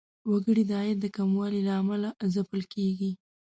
وګړي د عاید د کموالي له امله ځپل کیږي.